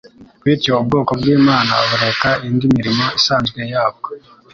Bityo ubwoko bw'Imana bureka indi mirimo isanzwe yabwo